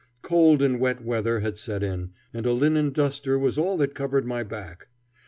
Cold and wet weather had set in, and a linen duster was all that covered my back.